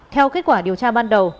theo kết quả điều tra ban đầu